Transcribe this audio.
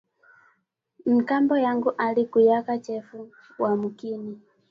Nkambo yangu ari kuyaka chefu wa mukini